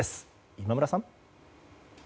今村さん。